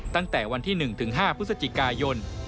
ตั้งแต่วันที่๑ถึง๕พฤศจิกายน